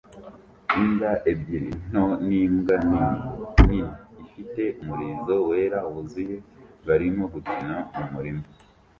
Imbwa ebyiri nto n'imbwa nini nini ifite umurizo wera wuzuye barimo gukina mu murima